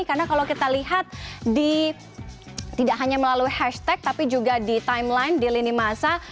karena kalau kita lihat tidak hanya melalui hashtag tapi juga di timeline di lini masa